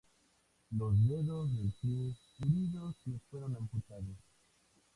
Los dedos del pie heridos le fueron amputados.